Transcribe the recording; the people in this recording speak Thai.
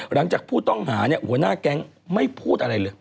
หลังจากผู้ต้องหาเนี่ยหัวหน้าแก๊งไม่พูดอะไรเลย